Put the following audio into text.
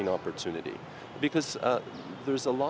nó cũng là gusto